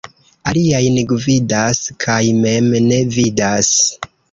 Aliajn gvidas kaj mem ne vidas.